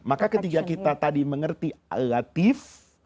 maka ketika kita tadi mengerti alatif